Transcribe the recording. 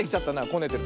こねてる。